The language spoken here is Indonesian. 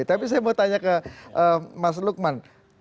tapi saya mau tanya ke mas lukman